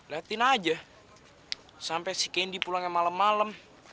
liatin aja sampai si kendi pulangnya malem malem